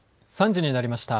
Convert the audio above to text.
３時になりました。